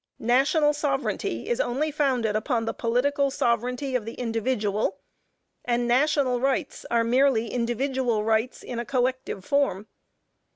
National sovereignty is only founded upon the political sovereignty of the individual, and national rights are merely individual rights in a collective form.